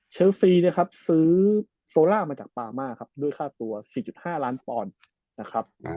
เชิ้ลฟรีนะครับซื้อโซล่ามาจากปามาครับด้วยค่าตัวสี่จุดห้าล้านฟอร์นนะครับอ่า